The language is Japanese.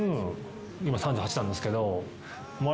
今３８なんですけど。